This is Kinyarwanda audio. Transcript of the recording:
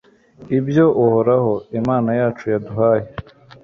ibyo uhoraho, imana yacu yaduhaye